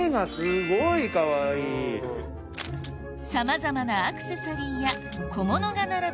さまざまなアクセサリーや小物が並ぶ